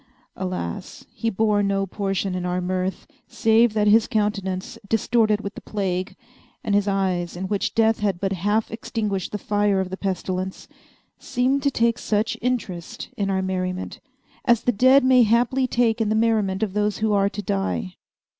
Alas! he bore no portion in our mirth, save that his countenance, distorted with the plague, and his eyes, in which Death had but half extinguished the fire of the pestilence, seemed to take such interest in our merriment as the dead may haply take in the merriment of those who are to die.